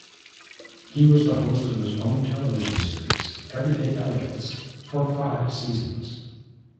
He was the host of his own television series "Everyday Elegance" for five seasons.